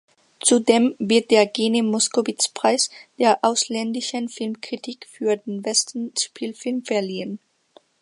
Zudem wird der "Gene-Moskowitz-Preis" der ausländischen Filmkritik für den besten Spielfilm verliehen.